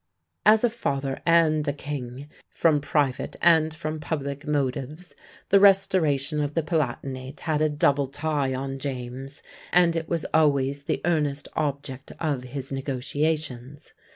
As a father and a king, from private and from public motives, the restoration of the Palatinate had a double tie on James, and it was always the earnest object of his negotiations.